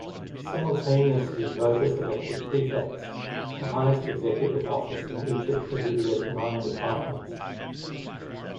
Simultaneously voters elected prefects, the highest executive office in each of Bolivia's nine departments.